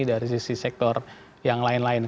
dari sisi sektor yang lain lain